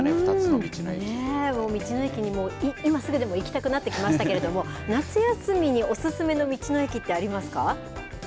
もう道の駅にも今すぐでも行きたくなってきましたけれども、夏休みにお勧めの道の駅ってありますか。